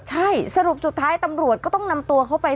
ใช่สรุปสุดท้ายตำรวจก็ต้องนำตัวเขาไป